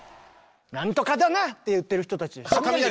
「なんとかだな！」って言ってる人たち？